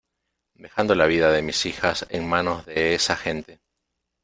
dejando la vida de mis hijas en manos de esa gente.